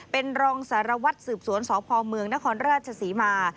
เป็นรองสารวัตรสืบสวนสพเมืองนครราชศรีมา